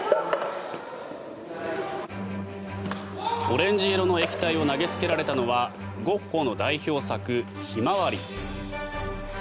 オレンジ色の液体を投げつけられたのはゴッホの代表作「ひまわり」。